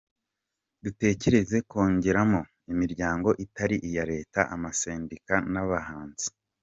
Dutekereza kongeramo imiryango itari iya Leta, amasendika n’abahinzi.